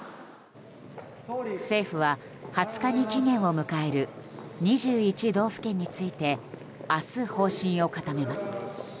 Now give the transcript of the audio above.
政府は２０日に期限を迎える２１道府県について明日、方針を固めます。